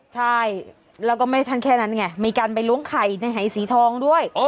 ใช่แล้วก็ไม่ทันแค่นั้นไงมีการไปล้วงไข่ในหายสีทองด้วย